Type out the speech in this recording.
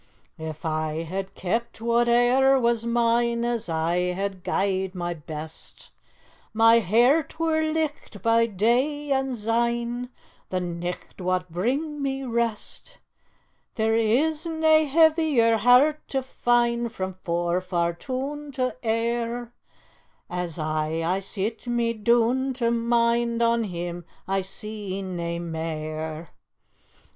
"If I had kept whate'er was mine, As I had gie'd my best, My hairt were licht by day, and syne The nicht wad bring me rest; There is nae heavier hairt to find Frae Forfar toon to Ayr, As aye I sit me doon to mind On him I see nae mair.